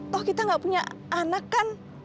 toh kita nggak punya anak kan